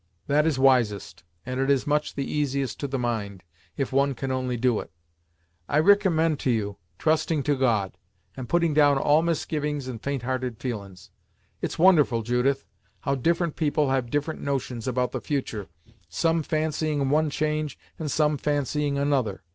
That is wisest, and it is much the easiest to the mind, if one can only do it. I ricommend to you, trusting to God, and putting down all misgivings and fainthearted feelin's. It's wonderful, Judith, how different people have different notions about the futur', some fancying one change, and some fancying another.